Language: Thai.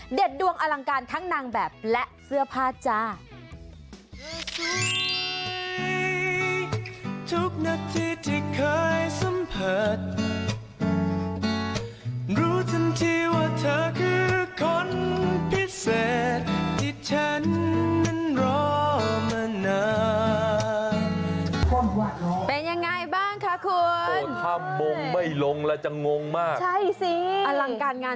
ดวงอลังการทั้งนางแบบและเสื้อผ้าจ้า